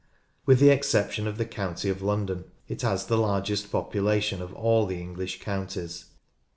With the exception of the county of London it has the largest population of all the English counties.